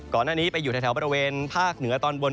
ก่อนหน้านี้ไปอยู่แถวบริเวณภาคเหนือตอนบน